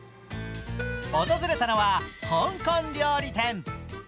訪れたのは香港料理店。